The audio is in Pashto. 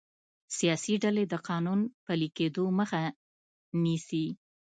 سیاسي ډلې د قانون پلي کیدو مخه نیسي